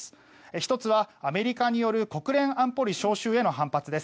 １つはアメリカによる国連安保理招集への反発です。